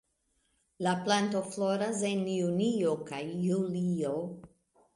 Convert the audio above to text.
La planto floras en junio kaj julio.